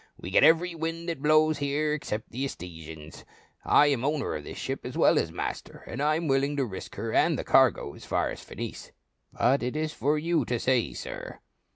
" We get every wind that blows here, except the Etesians.* I am owner of this ship as well as master, and I am willing to risk her and the cargo as far as Phenice ; but it is for you to say, sir."